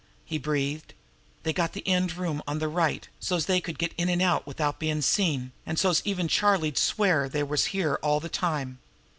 he breathed. "They got the end room on the right, so's they could get in an' out with out bein' seen, an so's even Charlie'd swear they was here all the time.